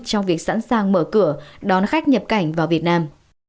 trong việc sẵn sàng mở cửa đón khách nhập cảnh vào việt nam